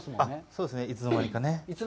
そうですね、いつの間にかね。